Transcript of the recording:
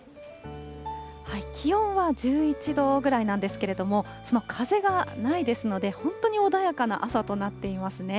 気温は１１度ぐらいなんですけれども、風がないですので、本当に穏やかな朝となっていますね。